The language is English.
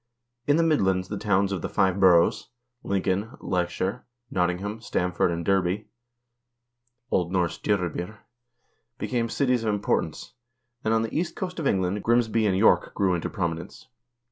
1 In the Midlands the towns of the "Five Boroughs," Lincoln, Leicester, Nottingham, Stamford, and Derby (O. N. Dyrabyr) became cities of importance, and on the east coast of England, Grimsby and York grew into prominence.